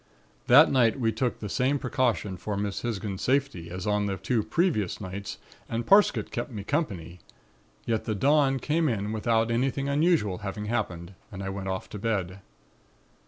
"That night we took the same precaution for Miss Hisgins's safety as on the two previous nights and Parsket kept me company; yet the dawn came in without anything unusual having happened and I went off to bed.